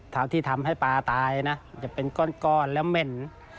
เท้าที่ทำให้ปลาตายนะจะเป็นก้อนแล้วเหม็น